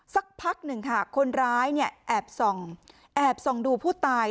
สักพักหนึ่งค่ะคนร้ายแอบส่องดูผู้ตาย